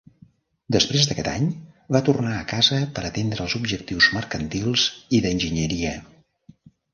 Després d'aquest any, va tornar a casa per atendre els objectius mercantils i d'enginyeria.